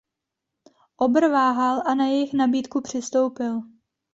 Obr váhal a na jejich nabídku přistoupil.